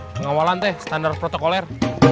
pengawalan teh standar protokoler